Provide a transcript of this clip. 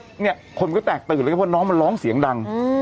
คนมันก็แตกตื่นแล้วเพราะว่าน้องมันร้องเสียงดัง